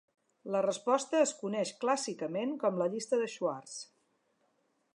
La resposta es coneix clàssicament com la llista de Schwarz.